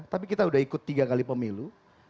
tapi kita udah ikut tiga kali pemilu